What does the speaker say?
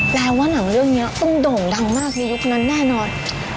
ว่าหนังเรื่องนี้ต้องโด่งดังมากในยุคนั้นแน่นอน